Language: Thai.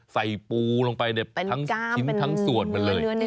ใส่ปูลงไปในจิ้มทั้งส่วนไปเลย